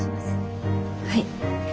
はい。